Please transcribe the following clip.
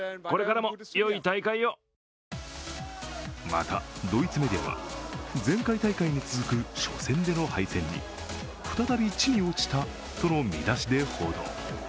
また、ドイツメディアは前回大会に続く初戦での敗戦に「再び、地に落ちた」との見出しで報道。